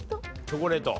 チョコレート。